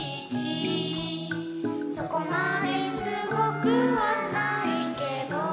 「そこまですごくはないけど」